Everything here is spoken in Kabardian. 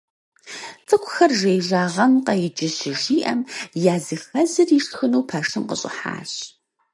ЦӀыкӀухэр жеижагъэнкъэ иджы щыжиӀэм, языхэзыр ишхыну пэшым къыщӀыхьащ.